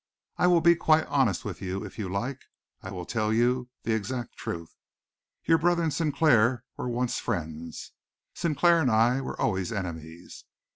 I will be quite honest with you, if you like. I will tell you the exact truth. Your brother and Sinclair were once friends. Sinclair and I were always enemies.